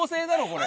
これ。